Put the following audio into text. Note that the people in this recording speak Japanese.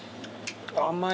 甘い。